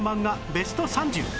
ベスト３０